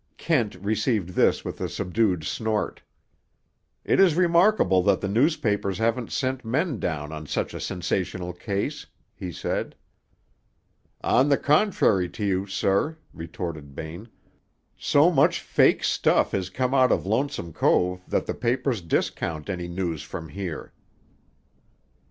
Kent received this with a subdued snort. "It is remarkable that the newspapers haven't sent men down on such a sensational case," he said. "On the contrary to you, sir," retorted Bain, "so much fake stuff has come out of Lonesome Cove that the papers discount any news from here."